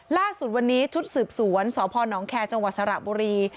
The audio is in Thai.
ล่าสุดวันนี้ชุดสืบสวนสพนแคร์จังหวัดสระบุรี